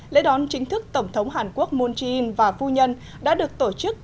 lễ đón chính thức tổng thống hàn quốc moon jae in và phu nhân đã được tổ chức